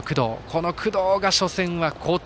この工藤が初戦は好投。